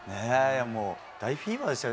もう、大フィーバーでしたよ